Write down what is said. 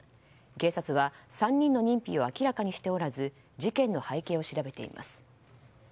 警察は３人の認否を明らかにしておらず事件の背景を調べています。